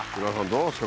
どうですか？